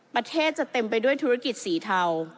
ประเทศจะเต็มไปด้วยธุรกิจสีเทา